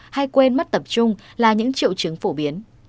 hay quên mất tập trung là những triệu chứng phổ biến